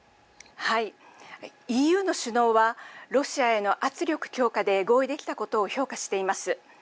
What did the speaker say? ＥＵの首脳はロシアへの圧力強化で合意できたことを評価しています。